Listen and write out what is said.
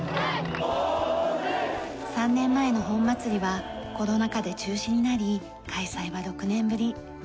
３年前の本祭りはコロナ禍で中止になり開催は６年ぶり。